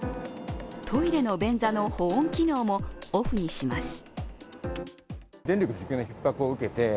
トイレの便座の保温機能もオフにします。